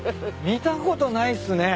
見たことないっすね。